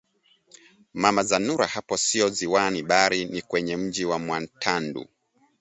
“Mama Zanura hapo sio ziwani bali ni kwenye mji wa Mwantandu”